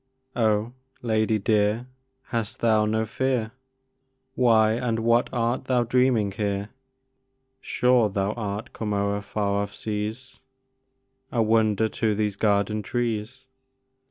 Oh, lady dear, hast thou no fear? Why and what art thou dreaming here? Sure thou art come o'er far off seas, A wonder to these garden trees!